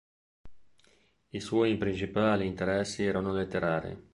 I suoi principali interessi erano letterari.